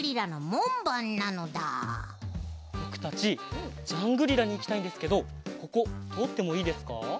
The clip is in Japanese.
ぼくたちジャングリラにいきたいんですけどこことおってもいいですか？